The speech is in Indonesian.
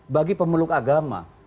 bagi pemeluk agama